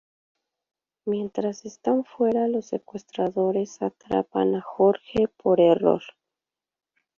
Mientras están fuera, los secuestradores atrapan a "Jorge" por error.